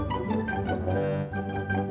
sehat ya jak